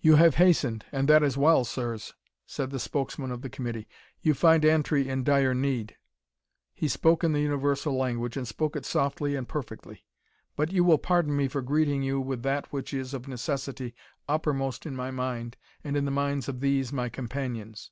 "You have hastened, and that is well, sirs," said the spokesman of the committee. "You find Antri in dire need." He spoke in the universal language, and spoke it softly and perfectly. "But you will pardon me for greeting you with that which is, of necessity, uppermost in my mind, and in the minds of these, my companions.